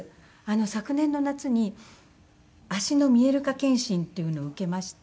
昨年の夏に足の見えるか検診っていうのを受けまして。